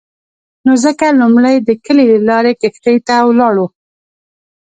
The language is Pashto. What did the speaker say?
نو ځکه لومړی د کلي له لارې کښتۍ ته ولاړو.